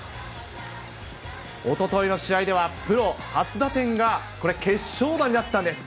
おとといの試合では、プロ初打点が、これ、決勝打になったんです。